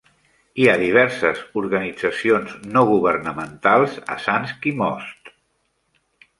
Hi ha diverses organitzacions no governamentals a Sanski Most.